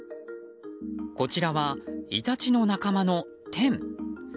こちらはイタチの仲間のテン。